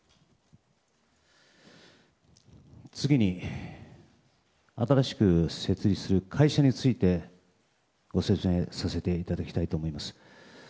次に新しく設立する会社についてご説明させていただきたいと思います。